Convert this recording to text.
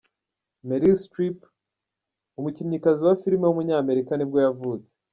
Meryl Streep, umukinnyikazi wa filime w’umunyamerika nibwo yavutse.